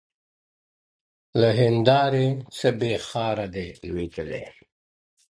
له هنداري څه بېــخاره دى لوېـــدلى.